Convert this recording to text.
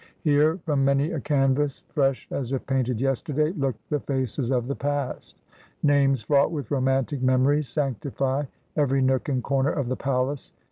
Here from many a canvas, fresh as if painted yesterday, looked the faces of the past. Names fraught with romantic memories sanctify every nook and corner of the palace.